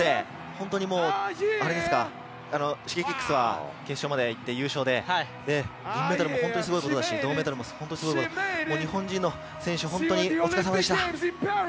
本当にＳｈｉｇｅｋｉｘは決勝まで行って優勝で、銀メダルも本当にすごいことだし銅メダルも本当にすごい、日本人の選手、本当にお疲れさまでした！